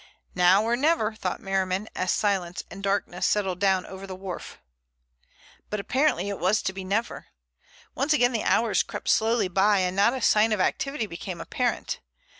"Now or never," thought Merriman, as silence and darkness settled down over the wharf. But apparently it was to be never. Once again the hours crept slowly by and not a sign of activity became apparent.